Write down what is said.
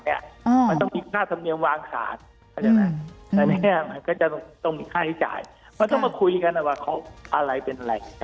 มันต้องมีค่าธรรมเนียมวางขาดเข้าใจไหมแต่เนี่ยมันก็จะต้องมีค่าใช้จ่ายเพราะต้องมาคุยกันว่าเขาอะไรเป็นอะไร